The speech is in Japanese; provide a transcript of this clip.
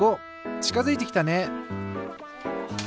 ちかづいてきたね！